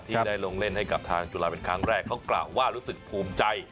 ที่ได้ลงเล่นให้กับทางจุฬาเป็นครั้งแรกเขากล่าวว่ารู้สึกภูมิใจ